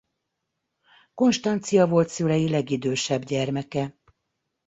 Konstancia volt szülei legidősebb gyermeke.